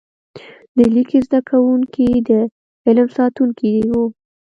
د لیک زده کوونکي د علم ساتونکي وو.